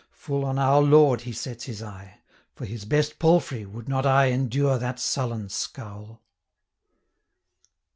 Full on our Lord he sets his eye; For his best palfrey, would not I Endure that sullen scowl.'